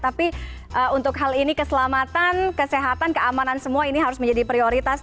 tapi untuk hal ini keselamatan kesehatan keamanan semua ini harus menjadi prioritas